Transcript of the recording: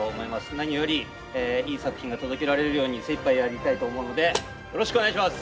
何よりいい作品が届けられるように精いっぱいやりたいと思うのでよろしくお願いします。